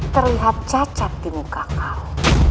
terlihat cacat di muka kau